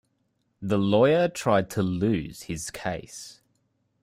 The lawyer tried to lose his case.